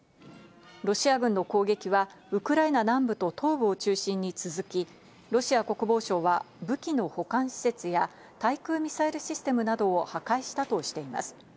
ロシア軍の攻撃はウクライナ南部と東部を中心に続き、ロシア国防省は武器の保管施設や対空ミサイルシステムなどを破壊したとしています。